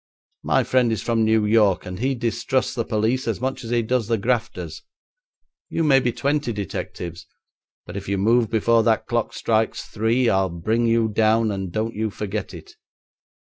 'My friend is from New York and he distrusts the police as much as he does the grafters. You may be twenty detectives, but if you move before that clock strikes three, I'll bring you down, and don't you forget it.'